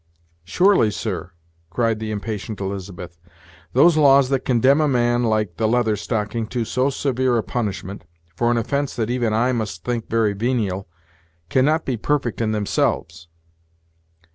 "Surely, sir," cried the impatient Elizabeth, "those laws that condemn a man like the Leather Stocking to so severe a punishment, for an offence that even I must think very venial, cannot be perfect in themselves."